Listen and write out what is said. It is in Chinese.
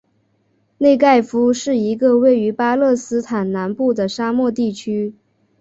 内盖夫是一个位于巴勒斯坦南部的沙漠地区。